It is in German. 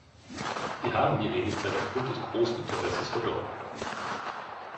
Wir haben die Redezeit aufgrund des großen Interesses verdoppelt.